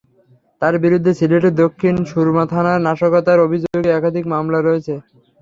তাঁর বিরুদ্ধে সিলেটের দক্ষিণ সুরমা থানায় নাশকতার অভিযোগে একাধিক মামলা রয়েছে।